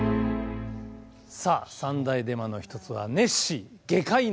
さあ三大デマの一つはネッシー「外科医の写真」！